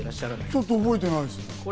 ちょっと覚えてないです。